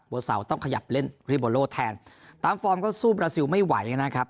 เสาต้องขยับเล่นริโบโลแทนตามฟอร์มก็สู้บราซิลไม่ไหวนะครับ